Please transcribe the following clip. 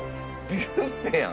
ビュッフェやん。